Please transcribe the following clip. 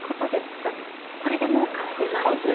えっこれでもう完成なんですね。